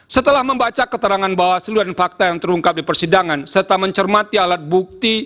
setelah membaca keterangan bawaslu dan fakta yang terungkap di persidangan serta mencermati alat bukti